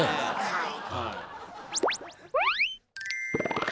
はい！